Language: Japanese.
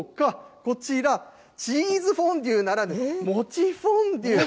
こちら、チーズフォンデュならぬ、餅フォンデュ。